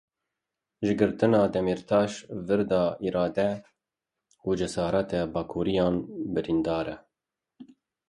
Ji girtina Demirtaş vir da îrade û cesareta Bakurîyan birîndar e.